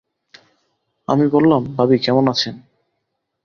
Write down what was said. আমি বললাম, ভাবি কেমন আছেন?